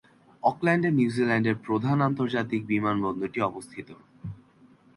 অকল্যান্ডে নিউজিল্যান্ডের প্রধান আন্তর্জাতিক বিমানবন্দরটি অবস্থিত।